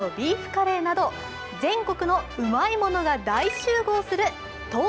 岐阜が誇る飛騨牛のビーフカレーなど全国のうまいものが大集合する